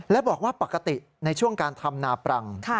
และบอกว่าปกติในช่วงการทำนาปรัง